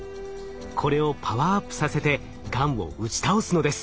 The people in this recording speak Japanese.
これをパワーアップさせてがんを打ち倒すのです。